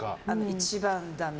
一番ダメ。